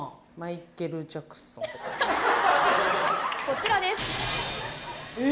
こちらです。